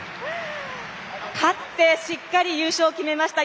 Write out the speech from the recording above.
勝ってしっかり優勝を決めました。